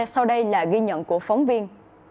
sau đây là ghi nhận của phóng viên